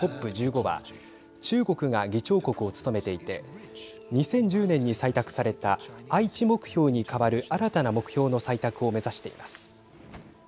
ＣＯＰ１５は中国が議長国を務めていて２０１０年に採択された愛知目標に代わる新たな目標の採択を目指しています。